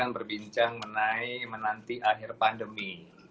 berbincang menanti akhir pandemi